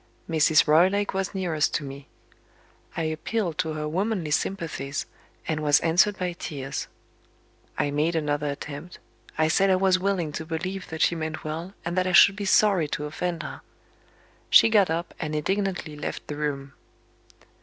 Mrs. Roylake was nearest to me. I appealed to her womanly sympathies, and was answered by tears. I made another attempt; I said I was willing to believe that she meant well, and that I should be sorry to offend her. She got up, and indignantly left the room.